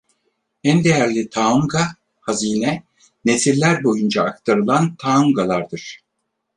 En değerli taonga (hazine), nesiller boyunca akratılan taongalardır.